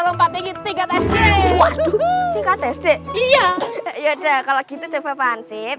lompat tinggi tiga sd waduh lima sd iya ya udah kalau gitu cepet ansip